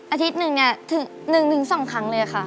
อาทิตย์หนึ่งเนี่ยถึง๑๒ครั้งเลยค่ะ